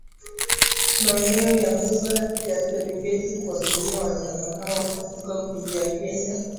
maeneo ya mbuga ya Serengeti kuwazuia wanyama hao kuvuka kuingia Kenya